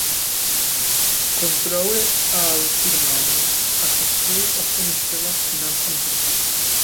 Kontraŭe al firmaoj, asocioj ofte ne celas financan profiton.